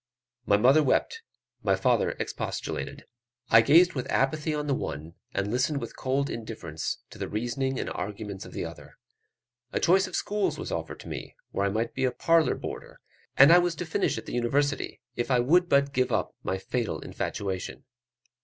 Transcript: My mother wept, my father expostulated. I gazed with apathy on the one, and listened with cold indifference to the reasoning and arguments of the other; a choice of schools was offered to me, where I might be a parlour boarder, and I was to finish at the University, if I would but give up my fatal infatuation.